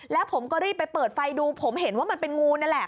แล้วผมก็รีบไปเปิดไฟดูผมเห็นว่ามันเป็นงูนั่นแหละ